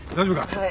はい。